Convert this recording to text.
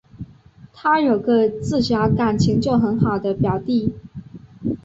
她有个自小感情就很好的表弟